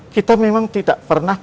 kita memang tidak pernah